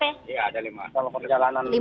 iya ada lima belas menit